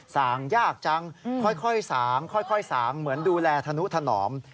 สางยากจังค่อยสางค่อยสางเหมือนดูแลธนุถนอม